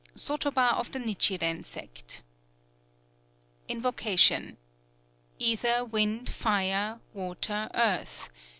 SOTOBA OF THE NICHIREN SECT. (Invocation.) _Ether, Wind, Fire, Water, Earth!